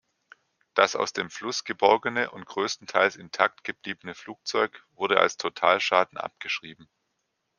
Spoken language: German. Das aus dem Fluss geborgene und größtenteils intakt gebliebene Flugzeug wurde als Totalschaden abgeschrieben.